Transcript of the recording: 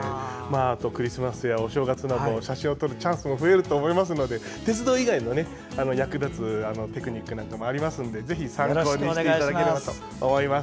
あとクリスマスやお正月など写真を撮るチャンスも増えると思いますので鉄道以外の役立つテクニックなんかもありますのでぜひ参考にしていただければと思います。